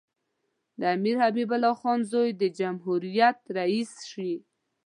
د امیر حبیب الله خان زوی د جمهوریت رییس شي.